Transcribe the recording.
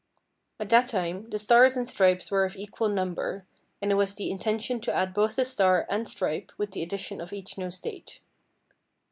At that time the stars and stripes were of equal number, and it was the intention to add both a star and stripe with the addition of each new State.